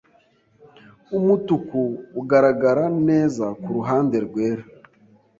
Umutuku ugaragara neza kuruhande rwera.